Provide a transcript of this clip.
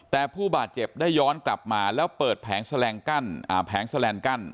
แต่ผู้บาดเจ็บได้ย้อนกลับมาแล้วเปิดแผงกั้นแผงแสลนกั้น